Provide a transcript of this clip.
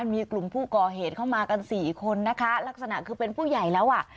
มีกลุ่มผู้ก่อเหตุเข้ามากันสี่คนนะคะลักษณะคือเป็นผู้ใหญ่แล้วอ่ะ